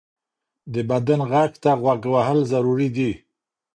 د بدن غږ ته غوږ وهل ضروري دی.